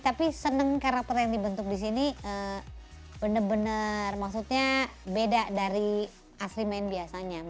tapi seneng karakter yang dibentuk di sini benar benar maksudnya beda dari asli main biasanya